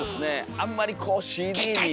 あんまりこうＣＤに。